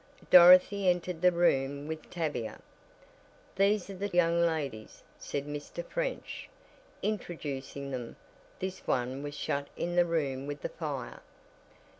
Dorothy entered the room with Tavia. "These are the young ladies," said Mr. French, introducing them. "This one was shut in the room with the fire."